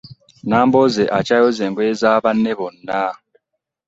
Nambooze akyayoza engoye za banne bonna.